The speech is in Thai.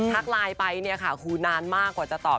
ไลน์ไปเนี่ยค่ะคือนานมากกว่าจะตอบ